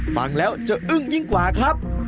ฟังแล้วจะอึ้งยิ่งกว่าครับ